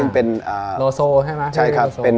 เป็นโลโซใช่ไหมโลโซ